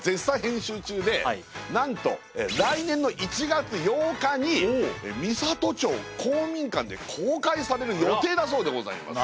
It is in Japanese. なんと来年の１月８日に美郷町公民館で公開される予定だそうでございます。